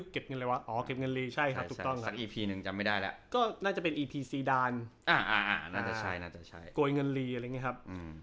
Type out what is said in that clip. กล่วยเงินรีอะไรงี้ครับ